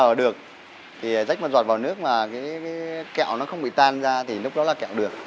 thì lúc nào được thì rách mà chọt vào nước mà cái kẹo nó không bị tan ra thì lúc đó là kẹo được